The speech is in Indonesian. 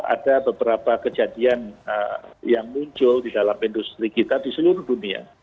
ada beberapa kejadian yang muncul di dalam industri kita di seluruh dunia